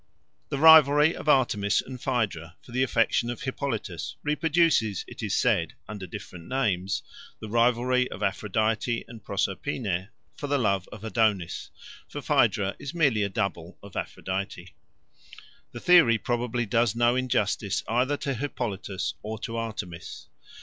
The rivalry of Artemis and Phaedra for the affection of Hippolytus reproduces, it is said, under different names, the rivalry of Aphrodite and Proserpine for the love of Adonis, for Phaedra is merely a double of Aphrodite. The theory probably does no injustice either to Hippolytus or to Artemis.